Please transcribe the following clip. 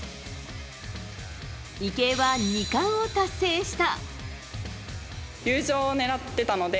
池江は２冠を達成した。